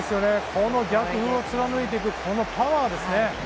この逆風を貫いていくこのパワーですね。